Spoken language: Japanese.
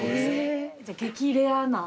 じゃあ激レアな。